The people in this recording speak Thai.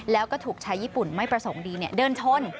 แล้วก็ถูกชายญี่ปุ่นไม่ประสงค์ดีเดินชน